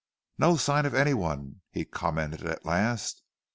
"No sign of any one," he commented at last.